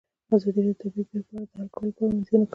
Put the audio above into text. ازادي راډیو د طبیعي پېښې په اړه د حل کولو لپاره وړاندیزونه کړي.